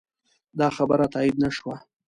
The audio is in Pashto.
دا خبره تایید نه شوه.